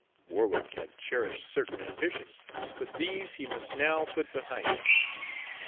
Warwick had cherished certain ambitions, but these he must now put behind him.